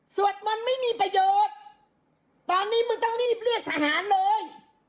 สวดมนต์ไม่มีประโยชน์ตอนนี้มึงต้องรีบเรียกทหารเลย